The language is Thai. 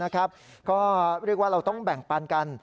ก็เรียกว่าเราต้องแบ่งปันกัน